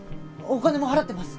お金も払ってます。